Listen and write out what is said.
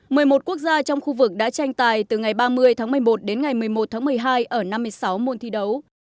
một mươi một quốc gia trong khu vực đã tranh tài từ ngày ba mươi tháng một mươi một đến ngày một mươi một tháng một mươi hai ở năm mươi sáu môn thi đấu